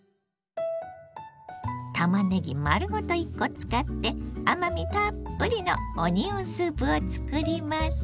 たまねぎ丸ごと１コ使って甘みたっぷりのオニオンスープを作ります。